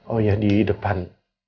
oh iya di depan